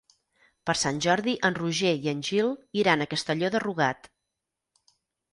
Per Sant Jordi en Roger i en Gil iran a Castelló de Rugat.